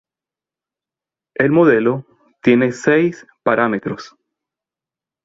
El modelo tiene seis parámetros.